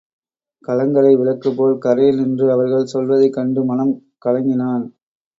கலங்கரை விளக்குபோல் கரையில் நின்று அவர்கள் செல்வதைக் கண்டு மனம் கலங்கினான்.